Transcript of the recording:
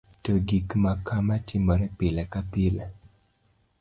to gik makama timore pile ka pile